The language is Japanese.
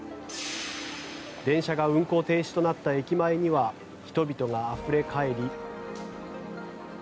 電車が運行停止となった駅前には人々があふれ返り。